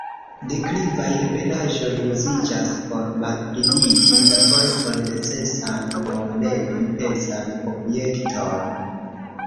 Deklivaj ebenaĵoj uziĝas por malpliigi la forton necesan por levi pezan objekton.